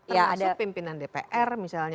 termasuk pimpinan dpr misalnya